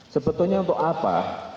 sebetulnya untuk apa